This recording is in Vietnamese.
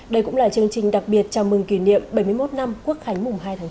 đây cũng là chương trình đặc biệt chào mừng kỷ niệm bảy mươi một năm quốc khánh mùng hai tháng chín